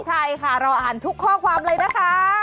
ใช่ค่ะเราอ่านทุกข้อความเลยนะคะ